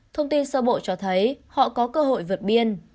thông tin sơ bộ cho thấy họ có cơ hội vượt biên